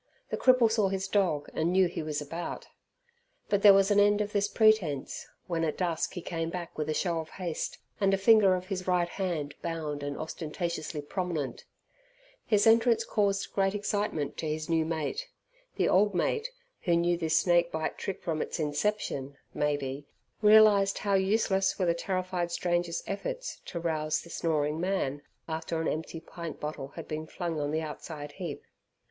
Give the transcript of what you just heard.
The cripple saw his dog, and knew he was about. But there was an end of this pretence when at dusk he came back with a show of haste, and a finger of his right hand bound and ostentatiously prominent. His entrance caused great excitement to his new mate. The old mate, who knew this snake bite trick from its inception, maybe, realized how useless were the terrified stranger's efforts to rouse the snoring man after an empty pint bottle had been flung on the outside heap.